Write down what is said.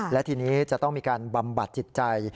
และทีนี้จะต้องมีการบำบัดจิตใจ